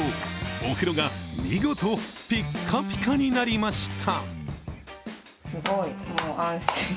お風呂が見事、ピッカピカになりました。